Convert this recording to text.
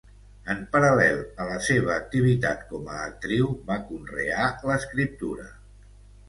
En paral·lel a la seva activitat com a actriu, va conrear l’escriptura.